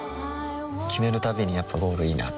決めるたびにやっぱゴールいいなってふん